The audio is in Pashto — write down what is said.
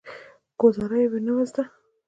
ګوزارا یې نه وه زده.